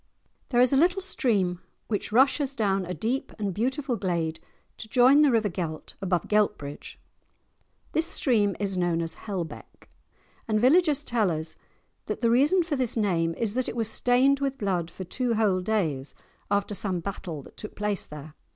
There is a little stream which rushes down a deep and beautiful glade to join the river Gelt above Geltbridge; this stream is known as "Hellbeck," and villagers tell us that the reason for this name is that it was stained with blood for two whole days after some battle that took place there.